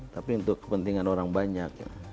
tapi untuk kepentingan orang banyak